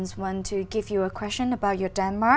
trong đất nước đặc biệt